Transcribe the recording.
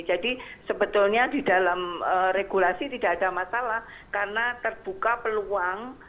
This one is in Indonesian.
jadi sebetulnya di dalam regulasi tidak ada masalah karena terbuka peluang